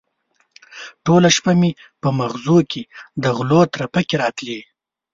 ټوله شپه مې په مغزو کې د غلو ترپکې راتلې.